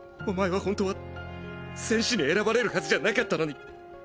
お前は本当は戦士に選ばれるはずじゃなかったのに。